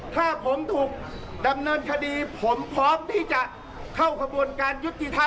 ถ้าผมถูกดำเนินคดีผมพร้อมที่จะเข้ากระบวนการยุติธรรม